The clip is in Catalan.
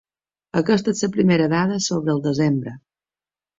Aquesta és la primera dada sobre el desembre.